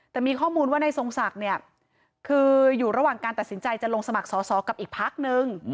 แต่มีข้อมูลว่าในทรงศักดิ์เนี่ยคืออยู่ระหว่างการตัดสินใจจะลงสมัครสอสอกับอีกพักนึง